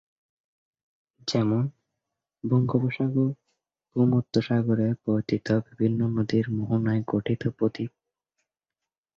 যেমন- বঙ্গোপসাগর, ভূমধ্যসাগরে পতিত বিভিন্ন নদীর মোহনায় গঠিত বদ্বীপ।